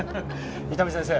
伊丹先生